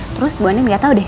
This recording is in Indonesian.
terus bu anin gak tau deh